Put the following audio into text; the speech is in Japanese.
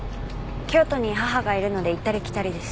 京都に母がいるので行ったり来たりです。